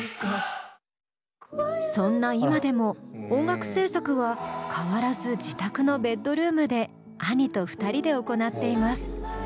そんな今でも音楽制作は変わらず自宅のベッドルームで兄と２人で行っています。